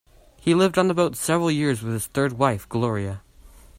He lived on the boat several years with his third wife, Gloria.